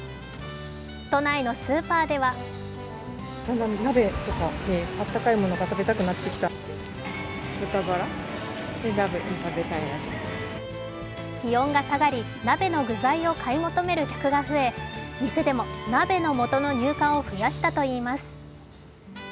都内のスーパーでは気温が下がり、鍋の具材を買い求める客が増え店でも鍋の素の入荷を増やしたといいます。